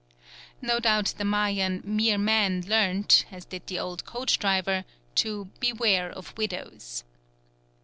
No doubt the Mayan "mere man" learnt, as did the old coach driver, to "beware of widows."